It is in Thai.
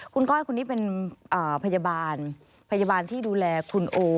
คุณก้อยคนนี้เป็นพยาบาลพยาบาลที่ดูแลคุณโอ